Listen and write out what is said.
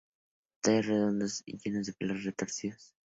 Tallos redondos y llenos de pelos retorcidos.